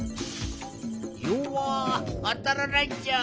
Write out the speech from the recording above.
よわっあたらないっちゃ。